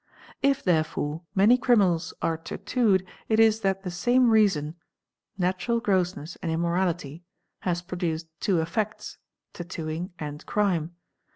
If therefore many 7 riminals are tattooed it is that the same reason (natural grossness and f in morality) has produced two effects, tattooimg and crime.